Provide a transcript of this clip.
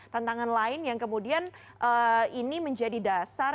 tantangan lain yang kemudian ini menjadi dasar